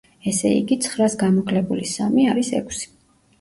ესე იგი, ცხრას გამოკლებული სამი არის ექვსი.